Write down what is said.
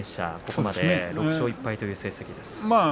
ここまで、６勝１敗という成績です。